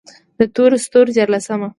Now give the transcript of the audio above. د تور ستوري ديارلسمه: